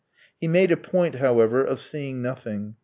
He made a point, however, of seeing nothing.